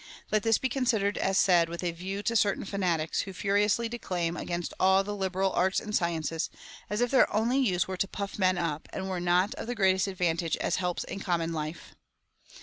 Let this be considered as said^ with a view to certain fanatics, who furiously declaim against all the liberal arts and sciences, as if their only use were to puff vaon up, and were not of the greatest advantage as helps in common life.